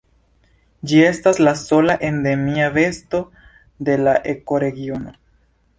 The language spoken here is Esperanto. Ĝi estas la sola endemia besto de la ekoregiono.